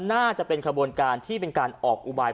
น่าจะเป็นขบวนการที่เป็นการออกอุบาย